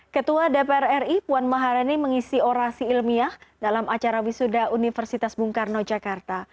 ketua dpr ri puan maharani mengisi orasi ilmiah dalam acara wisuda universitas bung karno jakarta